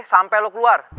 sampai lo keluar